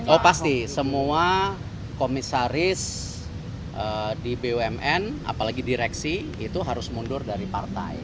oh pasti semua komisaris di bumn apalagi direksi itu harus mundur dari partai